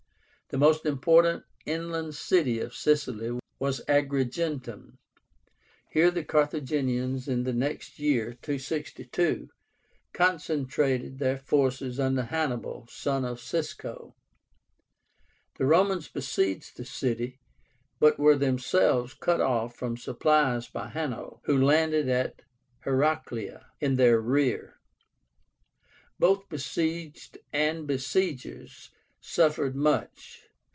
The most important inland city of Sicily was AGRIGENTUM. Here the Carthaginians the next year (262) concentrated their forces under HANNIBAL, son of Cisco. The Romans besieged the city, but were themselves cut off from supplies by Hanno, who landed at Heracléa in their rear. Both besieged and besiegers suffered much.